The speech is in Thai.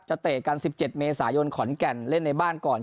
เตะกัน๑๗เมษายนขอนแก่นเล่นในบ้านก่อน